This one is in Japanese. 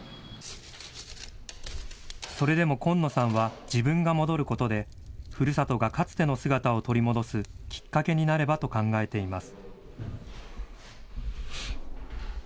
それでも紺野さんは、自分が戻ることでふるさとがかつての姿を取り戻すきっかけになればと考えています。